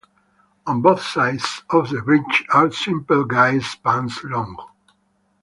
On both sides of the bridge are simple guide spans long.